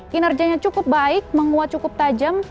kinerjanya cukup baik menguat cukup tajam